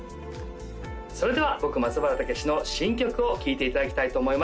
それでは僕松原健之の新曲を聴いていただきたいと思います